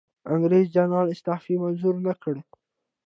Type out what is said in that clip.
انګریزي جنرال استعفی منظوره نه کړه.